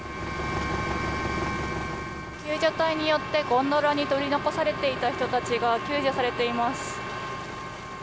救助隊によってゴンドラに取り残されていた人たちが救助されています。